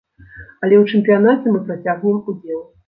Але ў чэмпіянаце мы працягнем удзел.